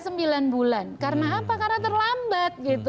sembilan bulan karena apa karena terlambat gitu